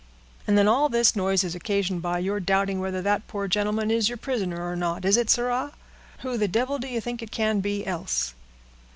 "And then all this noise is occasioned by your doubting whether that poor gentleman is your prisoner, or not, is it, sirrah? Who the devil do you think it can be, else?"